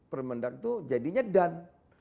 permendak itu jadinya dan